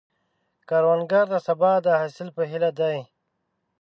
کروندګر د سبا د حاصل په هیله دی